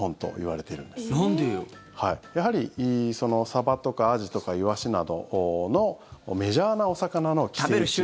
やはりサバとかアジとかイワシなどのメジャーなお魚の寄生虫。